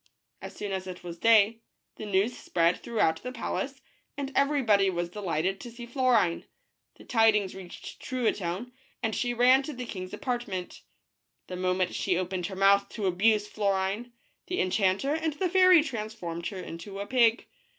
As soon as it was day, the news spread throughout the palace, and everybody was delighted to see Florine. The tidings reached Truitonne, and she ran to the king's apart ment. The moment she opened her mouth to abuse Florine, the enchanter and the fairy transformed her into a pig.